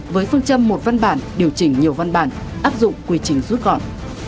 với phương châm một văn bản điều chỉnh nhiều văn bản áp dụng quy trình rút gọn